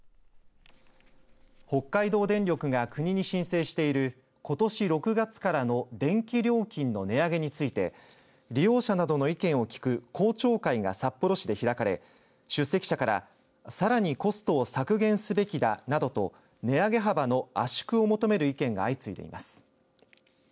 北海道電力が国に申請していることし６月からの電気料金の値上げについて利用者などの意見を聞く公聴会が札幌市で開かれ出席者から、さらにコストを削減すべきだなどと値上げ幅の圧縮を求める意見が相次いでいます。